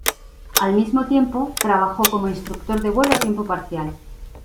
Al mismo tiempo, trabajó como instructor de vuelo a tiempo parcial.